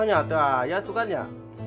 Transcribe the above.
nyata nyata ayah suka nya